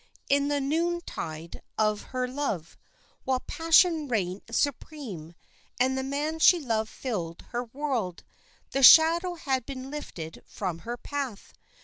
In the noontide of her love, while passion reigned supreme, and the man she loved filled her world, the shadow had been lifted from her path.